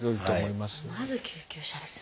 まず救急車ですね。